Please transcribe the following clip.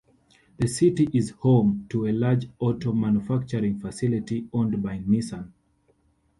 The city is home to a large auto manufacturing facility owned by Nissan.